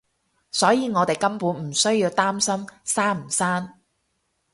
所以我哋根本唔需要擔心生唔生